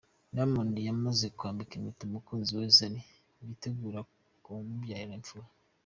Diamond yamaze kwambika impeta umukunzi we Zari witegura kumubyarira imfura.